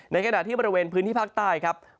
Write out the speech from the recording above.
ขณะที่บริเวณพื้นที่ภาคใต้ครับ